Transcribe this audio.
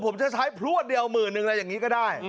ผมจะใช้พลวดเดียวหมื่นนึงอะไรอย่างนี้ก็ได้